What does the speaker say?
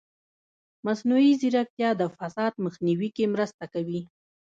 مصنوعي ځیرکتیا د فساد مخنیوي کې مرسته کوي.